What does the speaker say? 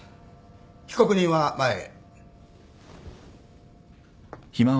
被告人は前へ。